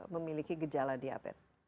memiliki gejala diabetes